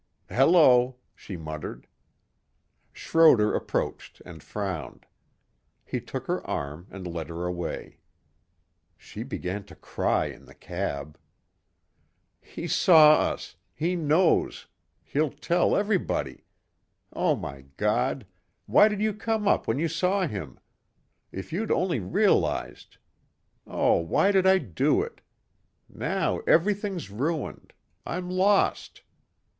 "Hello," she muttered. Schroder approached and frowned. He took her arm and led her away. She began to cry in the cab. "He saw us. He knows. He'll tell everybody. Oh my God! Why did you come up when you saw him? If you'd only realized. Oh, why did I do it? Now everything's ruined. I'm lost."